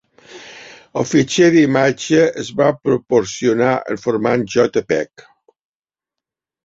El fitxer d'imatge es va proporcionar en format jpeg.